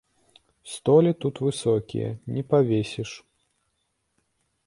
Столі тут высокія, не павесіш.